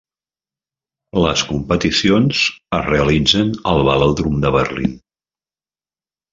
Les competicions es realitzen al Velòdrom de Berlín.